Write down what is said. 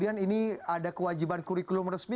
ada kewajiban kurikulum resmi